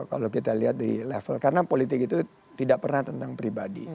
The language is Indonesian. kalau kita lihat di level karena politik itu tidak pernah tentang pribadi